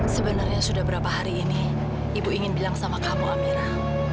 sebenarnya sudah berapa hari ini ibu ingin bilang sama kamu amira